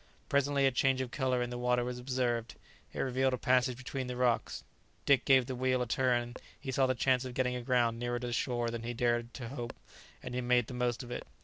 Presently a change of colour in the water was observed; it revealed a passage between the rocks. Dick gave the wheel a turn; he saw the chance of getting aground nearer to the shore than he had dared to hope, and he made the most of it.